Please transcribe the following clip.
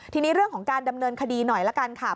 ทีนี้เรื่องของการดำเนินคดีหน่อยละกันค่ะ